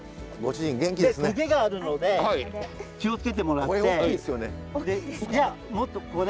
とげがあるので気をつけてもらって。